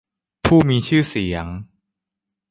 ผู้มีชื่อเสียง